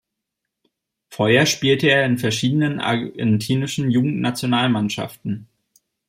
Vorher spielte er in verschiedenen argentinischen Jugendnationalmannschaften.